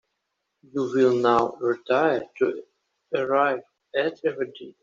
You will now retire to arrive at a verdict.